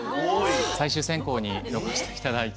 最終選考に残していただいて。